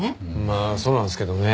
まあそうなんですけどね。